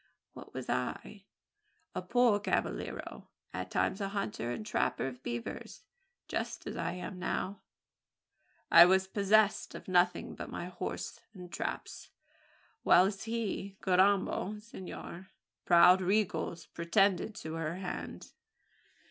What was I? A poor cibolero at times a hunter and trapper of beavers, just as I am now? I was possessed of nothing but my horse and traps; whiles he Carrambo! senor, proud ricos pretended to her hand!"